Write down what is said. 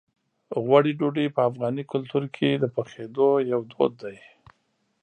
غوړي ډوډۍ په افغاني کلتور کې د پخېدو یو دود دی.